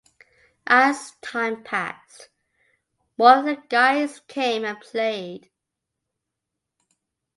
As time passed, more of the guys came and played.